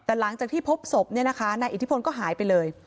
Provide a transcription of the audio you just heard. แต่หลังจากที่พบศพเนี่ยนะคะนายอิทธิพลก็หายไปเลย